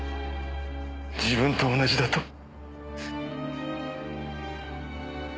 自分と同じだと。